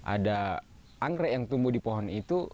ada anggrek yang tumbuh di pohon itu